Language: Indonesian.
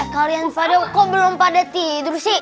kalian pada kok belum pada tidur sih